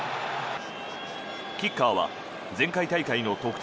キッカーは前回大会の得点